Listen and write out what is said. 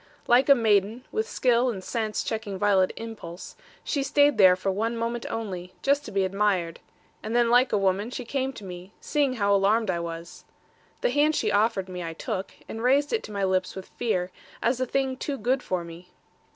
Like a maiden, with skill and sense checking violent impulse, she stayed there for one moment only, just to be admired; and then like a woman, she came to me, seeing how alarmed I was. The hand she offered me I took, and raised it to my lips with fear, as a thing too good for me.